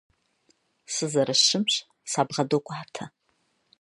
Сызэрыщымщ, сабгъэдокӀуатэ.